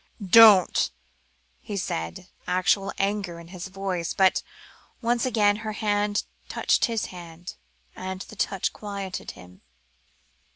"Don't," he said, actual anger in his voice, but once again her hand touched his hand, and the touch quieted him.